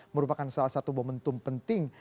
merupakan salah satu momentum penting